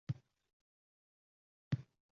Taʼqib qilar yer chizgan oraz